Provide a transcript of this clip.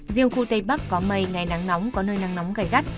riêng khu tây bắc có mây ngày nắng nóng có nơi nắng nóng gai gắt